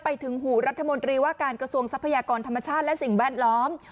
ถึงหูรัฐมนตรีว่าการกระทรวงทรัพยากรธรรมชาติและสิ่งแวดล้อม